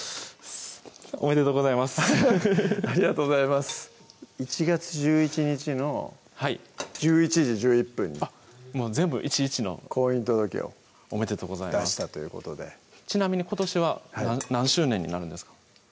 おめでとうございますありがとうございます１月１１日の１１時１１分にあっ全部１・１の婚姻届をおめでとうございます出したということでちなみに今年は何周年になるんですか？